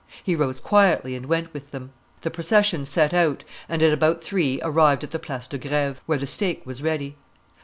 He rose quietly and went with them; the procession set out, and at about three arrived at the Place de Greve; where the stake was ready.